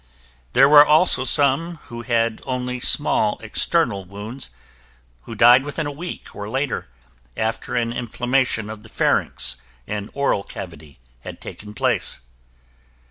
There were also some who had only small external wounds who died within a week or later, after an inflammation of the pharynx and oral cavity had taken place.